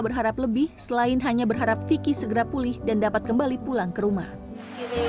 berharap lebih selain hanya berharap vicky segera pulih dan dapat kembali pulang ke rumah